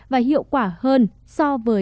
và hiệu quả hơn so với